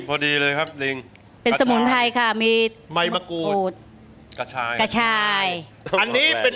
พอดีเลยครับลิงเป็นสมุนไพรค่ะมีใบมะกรูดกระชายกระชายอันนี้เป็น